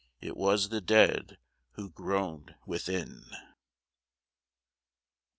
It was the dead who groaned within.